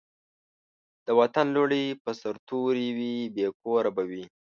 د وطن لوڼي به سرتوري وي بې کوره به وي